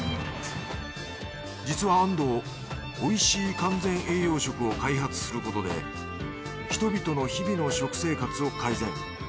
完全栄養食を開発することで人々の日々の食生活を改善。